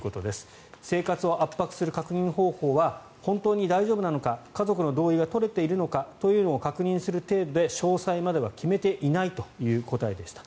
生活を圧迫する確認方法は本当に大丈夫なのか家族の同意が取れているのかというのを確認する程度で詳細までは決めていないという答えでした。